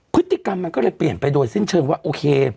พฤติกรรมมันก็เลยเปลี่ยนไปโดยสิ้นเชิงว่าโอเค